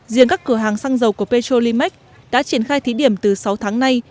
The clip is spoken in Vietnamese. riêng các cửa hàng xăng dầu của petrolimax đã triển khai thí điểm từ sáu tháng nay